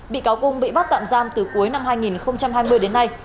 bị cáo cung bị bắt tạm giam từ cuối năm hai nghìn hai mươi đến nay